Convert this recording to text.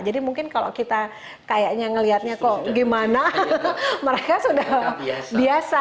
jadi mungkin kalau kita kayaknya ngeliatnya kok gimana mereka sudah biasa